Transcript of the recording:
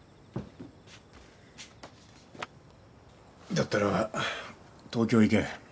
だったら東京へ行け。